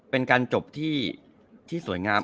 เป็นการจบที่สวยงาม